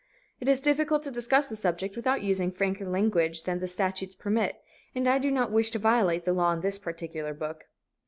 It is difficult to discuss the subject without using franker language than the statutes permit, and I do not wish to violate the law in this particular book.